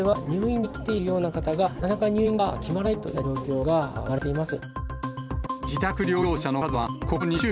つい１か月前までは入院できているような方がなかなか入院が決まらないといった状況が生まれています。